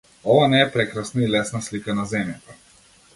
Ова не е прекрасна и лесна слика на земјата.